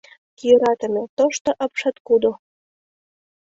Йӧратыме, тошто апшаткудо!